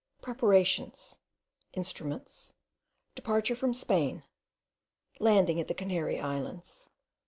1. PREPARATIONS. INSTRUMENTS. DEPARTURE FROM SPAIN. LANDING AT THE CANARY ISLANDS.